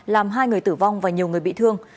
làm hai người tử vong và nhiều người bị thương